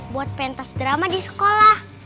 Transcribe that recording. buat pentas drama di sekolah